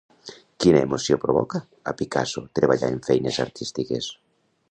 Quina emoció provoca a Picasso treballar en feines artístiques?